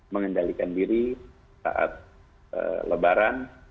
mengendalikan diri saat lebaran